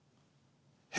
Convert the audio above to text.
「え？